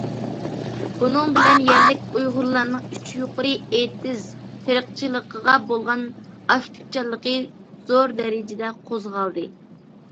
بۇنىڭ بىلەن يەرلىك ئۇيغۇرلارنىڭ‹‹ ئۈچ يۇقىرى ئېتىز›› تېرىقچىلىقىغا بولغان ئاكتىپچانلىقى زور دەرىجىدە قوزغالدى.